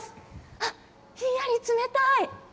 あっ、ひんやり冷たい。